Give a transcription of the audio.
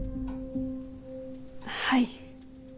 はい。